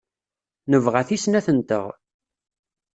Nebɣa-t i snat-nteɣ.